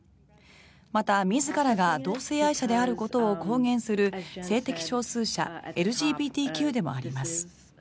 また、自らが同性愛者であることを公言する性的少数者・ＬＧＢＴＱでもあります。